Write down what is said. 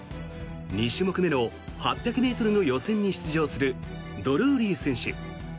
２種目目の、８００ｍの予選に出場するドルーリー選手。